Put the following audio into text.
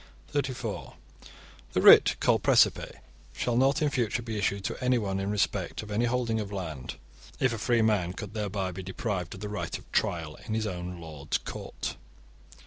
(34) The writ called precipe shall not in future be issued to anyone in respect of any holding of land, if a free man could thereby be deprived of the right of trial in his own lord's court.